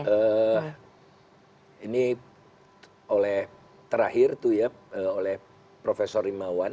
ya jadi ini oleh terakhir tuh ya oleh profesor imawan